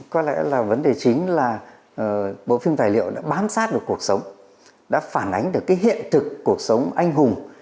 có lẽ là vấn đề chính là bộ phim tài liệu đã bám sát được cuộc sống đã phản ánh được cái hiện thực cuộc sống anh hùng